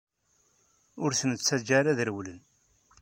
Ur ten-ttaǧǧa ara ad rewlen!